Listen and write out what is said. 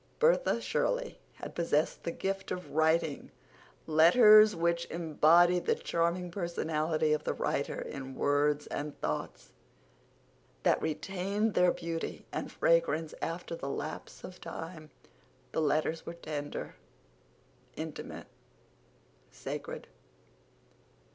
Bertha Shirley had possessed the gift of writing letters which embodied the charming personality of the writer in words and thoughts that retained their beauty and fragrance after the lapse of time. The letters were tender, intimate, sacred.